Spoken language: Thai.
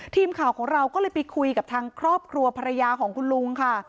ทีมข่าวของเราก็เลยไปคุยกับทางครอบครัวภรรยาของคุณลุงค่ะ